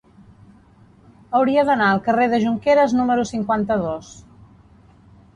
Hauria d'anar al carrer de Jonqueres número cinquanta-dos.